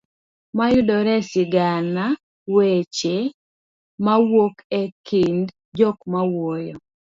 mayudore e sigana; weche mawuok e kind jok mawuoyo